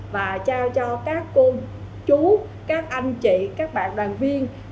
và trao cho các cô chú các anh chị các bạn đoàn viên